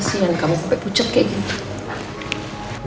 kasian kamu pake pucet kayak gitu